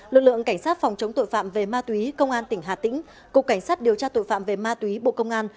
lực lượng cảnh sát phòng chống tội phạm về ma túy công an tỉnh hà tĩnh cục cảnh sát điều tra tội phạm về ma túy bộ công an